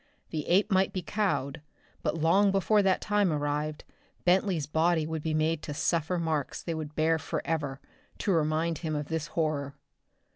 The ape might be cowed, but long before that time arrived, Bentley's body would be made to suffer marks they would bear forever to remind him of this horror.